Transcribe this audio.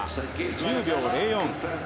１０秒０４。